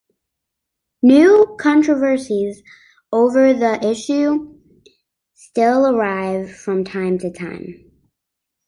New controversies over the issue still arise from time to time.